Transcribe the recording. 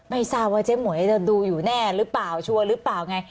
ไม่ทราบว่าเจ๊หมวยจะดูอยู่แน่หรือเปล่าชัวร์หรือเปล่าไง